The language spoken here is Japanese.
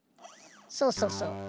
そうそうそう。